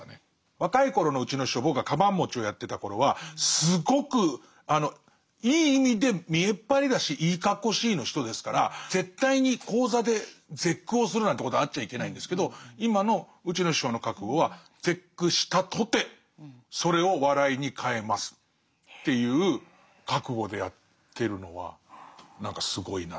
若い頃のうちの師匠僕がかばん持ちをやってた頃はすごくいい意味で見えっ張りだしいいかっこしいの人ですから絶対に高座で絶句をするなんてことがあっちゃいけないんですけど今のうちの師匠の覚悟は絶句したとてそれを笑いに変えますっていう覚悟でやってるのは何かすごいな。